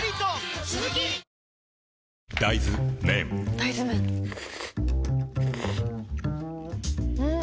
大豆麺ん？